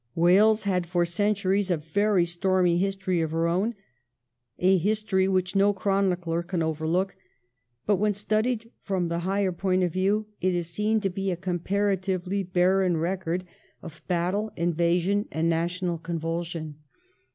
Wales had for centuries a very stormy history of her own — a history which no chronicler can overlook, but when studied from the higher point of view it is seen to be a comparatively barren record of battle, 1702 li. TWO FALSE IMPKESSIONS. 327 invasion, and national convulsion.